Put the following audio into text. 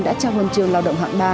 đã trao huân trường lao động hạng ba